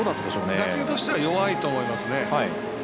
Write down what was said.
打球としては弱いと思います。